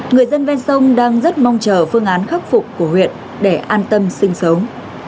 người dân ven sông đang rất mong chờ phương án khắc phục của huyện để an tâm sinh sống